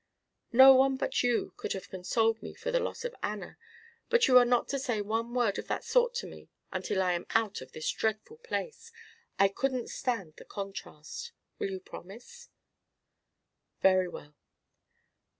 "No one but you could have consoled me for the loss of Anna, but you are not to say one word of that sort to me until I am out of this dreadful place. I couldn't stand the contrast! Will you promise?" "Very well."